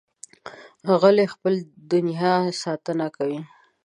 غلی، د خپلې دنیا ساتنه کوي.